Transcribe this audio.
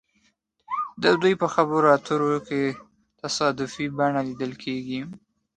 د دوی په خبرو اترو کې تصادفي بڼه لیدل کیږي